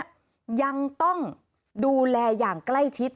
ยังต้องดูแลอย่างใกล้ชิด